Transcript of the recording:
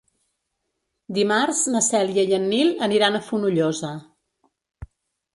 Dimarts na Cèlia i en Nil aniran a Fonollosa.